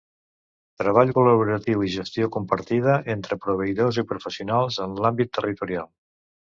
Treball col·laboratiu i gestió compartida entre proveïdors i professionals en l'àmbit territorial.